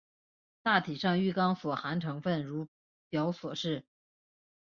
大体上玉钢所含成分如表所示。